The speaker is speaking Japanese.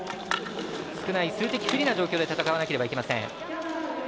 数的不利な状況で戦わなければいけません。